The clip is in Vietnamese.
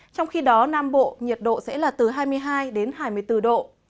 trong khi đó nam bộ nhiệt độ sẽ là từ hai mươi hai đến hai mươi bốn độ